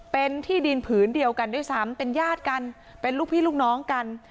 เป็นที่ดินผืนเดียวกันด้วยซ้ำเป็นญาติกันเป็นลูกพี่ลูกน้องกัน